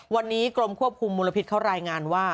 วันนี้กรมควบคุมมลพิษเขารายงานว่า